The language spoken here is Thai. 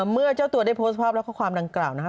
เมื่อเจ้าตัวได้โพสต์ภาพและข้อความดังกล่าวนะครับ